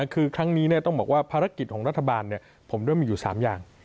คือครั้งนี้ต้องบอกว่าภารกิจของรัฐบาลผมด้วยมีอยู่๓อย่าง